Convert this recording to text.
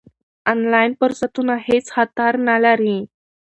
آنلاین فرصتونه هېڅ خطر نه لري.